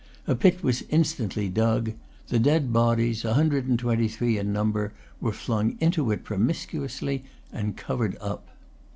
A pit was instantly dug. The dead bodies, a hundred and twenty three in number, were flung into it promiscuously and covered up.